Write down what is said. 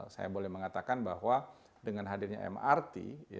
saya boleh mengatakan bahwa dengan hadirnya mrt